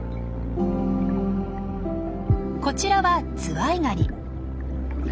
こちらはズワイガニ。